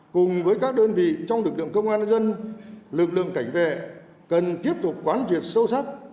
cùng với các đơn vị trong lực lượng công an nhân dân lực lượng cảnh vệ cần tiếp tục quán triệt sâu sắc